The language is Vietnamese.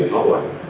trên sáu tuổi thì